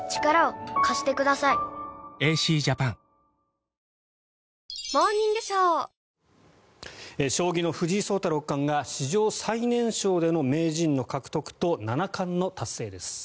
わかるぞ将棋の藤井聡太六冠が史上最年少での名人の獲得と七冠の達成です。